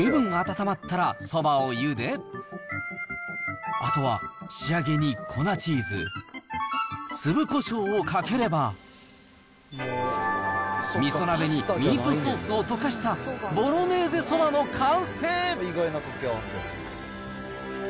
つゆが十分温まったらそばをゆで、あとは仕上げに粉チーズ、粒こしょうをかければ、みそ鍋にミートソースを溶かしたボロネーゼそばの完成。